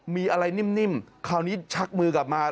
มีอะไรนิ่มคราวนี้ชักมือกลับมา